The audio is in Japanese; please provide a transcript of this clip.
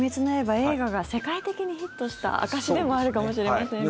映画が世界的にヒットした証しでもあるかもしれませんね。